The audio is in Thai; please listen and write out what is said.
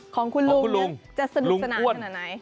ของคุณลุงลุงจะสนุกสนานขนาดไหน